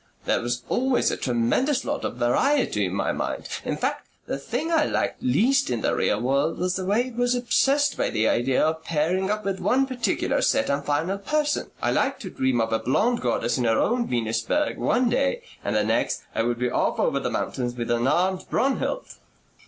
"There was always a tremendous lot of variety in my mind. In fact the thing I liked least in the real world was the way it was obsessed by the idea of pairing off with one particular set and final person. I liked to dream of a blonde goddess in her own Venusberg one day, and the next I would be off over the mountains with an armed Brunhild."